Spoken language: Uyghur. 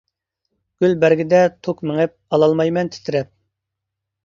گۈل بەرگىدە توك مېڭىپ، ئالالمايمەن تىترەپ.